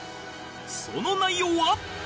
その内容は